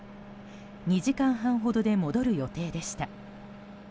２時間半ほどで戻る予定でした。